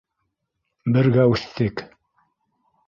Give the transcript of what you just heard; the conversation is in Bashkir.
Бергә үҫтек.